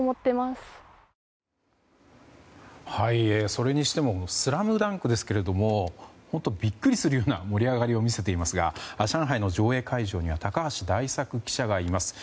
それにしても「ＳＬＡＭＤＵＮＫ」ですけど本当ビックリするような盛り上がりを見せていますが上海の上映会場には高橋大作記者がいます。